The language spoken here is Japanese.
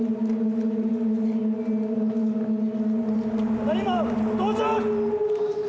・ただいまご到着！